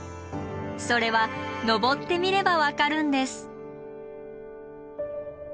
それは登ってみれば分かるんです。